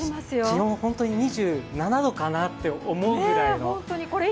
気温、本当に２７度かなと思うぐらいの。